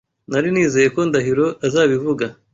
Nari nizeye ko Ndahiro azabivuga.